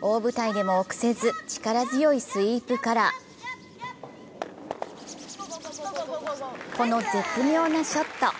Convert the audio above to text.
大舞台でも臆せず、力強いスイープから、この絶妙なショット。